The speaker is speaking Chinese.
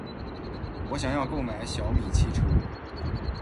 我想要购买小米汽车。